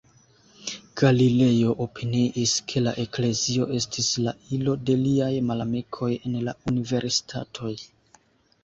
Galilejo opiniis, ke la Eklezio estis la ilo de liaj malamikoj en la universitatoj.